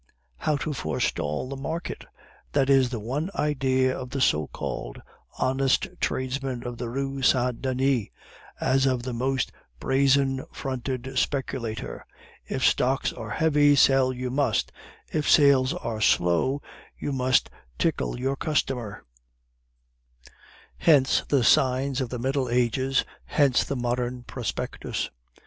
How to forestall the market that is the one idea of the so called honest tradesman of the Rue Saint Denis, as of the most brazen fronted speculator. If stocks are heavy, sell you must. If sales are slow, you must tickle your customer; hence the signs of the Middle Ages, hence the modern prospectus.